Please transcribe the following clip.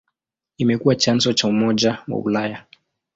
Imekuwa chanzo cha Umoja wa Ulaya.